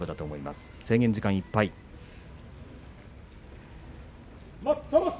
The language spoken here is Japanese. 制限時間がいっぱいです。